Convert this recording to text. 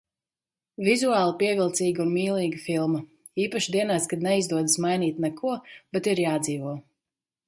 Vizuāli pievilcīga un mīlīga filma. Īpaši dienās, kad neizdodas mainīt neko, bet ir jādzīvo.